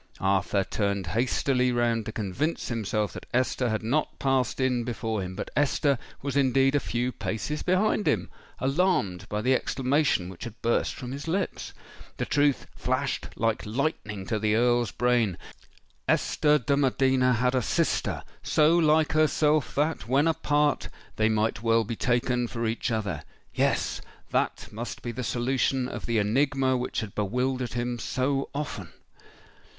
Arthur turned hastily round to convince himself that Esther had not passed in before him: but Esther was indeed a few paces behind him—alarmed by the exclamation which had burst from his lips. The truth flashed like lightning to the Earl's brain:—Esther de Medina had a sister—so like herself that, when apart, they might well be taken for each other:—yes—that must be the solution of the enigma which had bewildered him so often!